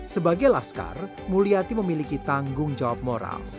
sebagai laskar mulyati memiliki tanggung jawab moral